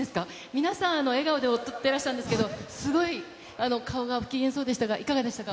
皆さん、笑顔で踊っていらしたんですけれども、すごい顔が不機嫌そうでしたが、いかがでしたか？